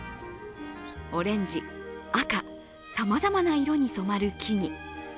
オレンジ、赤、さまざまな色に染まる木々。